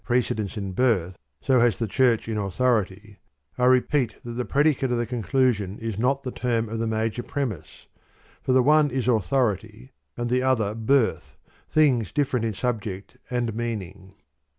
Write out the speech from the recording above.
m dence in birth, so has the Church in authority, I repeat that the predicate of the conclusion is not the term of the major premise, for the one is " authority " and the other " birth," things different in subject and meaning.